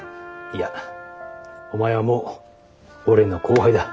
いやお前はもう俺の後輩だ。